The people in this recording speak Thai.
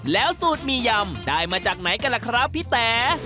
แล้วสูตรหมี่ยำได้มาจากไหนกันล่ะครับพี่แต๋